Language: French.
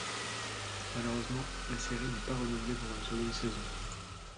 Malheureusement, la série n'est pas renouvelée pour une seconde saison.